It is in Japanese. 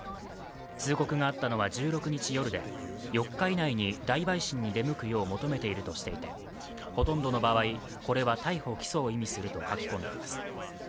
通告があったのは１６日夜で、４日以内に大陪審に出向くよう求めているとしていて、ほとんどの場合、これは逮捕・起訴を意味すると書き込んでいます。